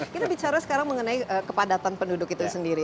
kita bicara sekarang mengenai kepadatan penduduk itu sendiri